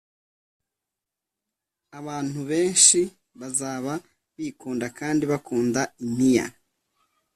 Abantu benshi bazaba bikunda kandi bakunda impiya